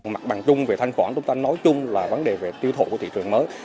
mặt bằng chung về thanh khoản chúng ta nói chung là vấn đề về tiêu thụ của thị trường mới